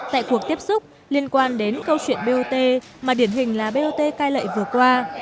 tại cuộc tiếp xúc liên quan đến câu chuyện bot mà điển hình là bot cai lệ vừa qua